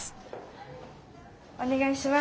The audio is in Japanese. お願いします。